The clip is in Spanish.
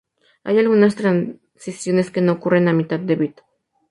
Hay algunas transiciones que no ocurren a mitad de bit.